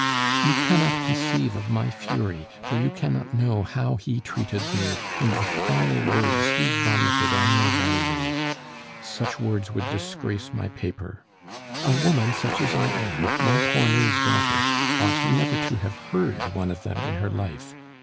"You cannot conceive of my fury, for you cannot know how he treated me, and the foul words he vomited on your Valerie. Such words would disgrace my paper; a woman such as I am Montcornet's daughter ought never to have heard one of them in her life.